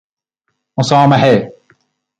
مسامحه